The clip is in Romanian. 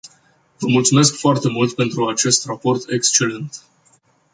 Vă mulțumesc foarte mult pentru acest raport excelent.